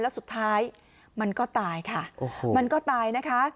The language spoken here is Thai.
แล้วสุดท้ายมันก็ตายค่ะมันก็ตายนะคะ